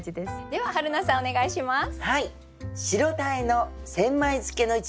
でははるなさんお願いします。